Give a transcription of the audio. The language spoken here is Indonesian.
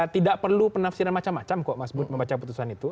tidak perlu penafsiran macam macam kok mas bud membaca putusan itu